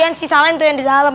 yang sisanya itu yang di dalam